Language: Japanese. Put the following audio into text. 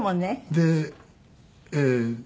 でええ。